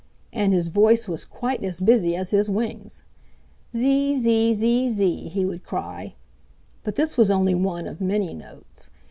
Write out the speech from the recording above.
And his voice was quite as busy as his wings. "Zee, zee, zee, zee!" he would cry. But this was only one of many notes.